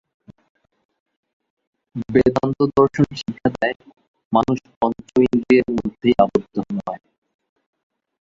বেদান্তদর্শন শিক্ষা দেয়, মানুষ পঞ্চেন্দ্রিয়ের মধ্যেই আবদ্ধ নয়।